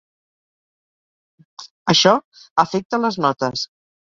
Això afecta les notes.